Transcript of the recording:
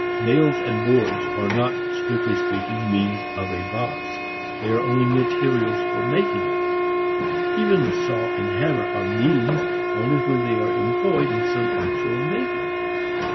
Nails and boards are not strictly speaking means of a box. They are only materials for making it. Even the saw and hammer are means only when they are employed in some actual making.